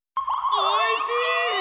おいしい！